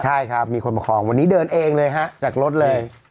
ใช่ครับมีคนประคองวันนี้เดินเองเลยฮะจากรถเลย